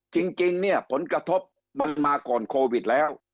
จริงเนี่ยผลกระทบมันมาก่อนโควิดแล้ว